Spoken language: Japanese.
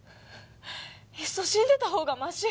いっそ死んでた方がまし。